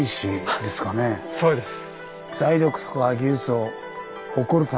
そうです。